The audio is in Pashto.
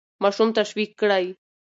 ماشوم تشویق کړئ.